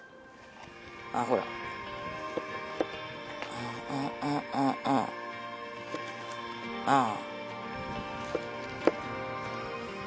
あっほらあああああああ